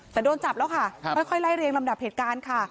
แต่โดนจับแล้วค่ะค่อยไล่เรียงลำดับเหตุการณ์ค่ะ